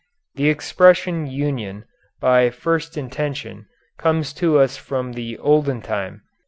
The expression union by first intention comes to us from the olden time.